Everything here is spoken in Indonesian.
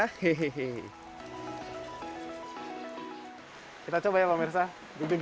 sebelum dibungkus dodol digunting terlebih dahulu sesuai dengan keinginan